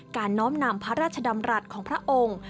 น้อมนำพระราชดำรัฐของพระองค์